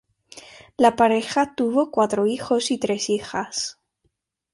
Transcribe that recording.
La pareja tuvo cuatro hijos y tres hijas.